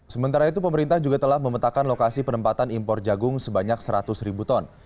sementara itu pemerintah juga telah memetakan lokasi penempatan impor jagung sebanyak seratus ribu ton